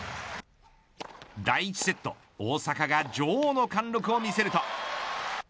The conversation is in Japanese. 第１セット大坂が女王の貫禄を見せると。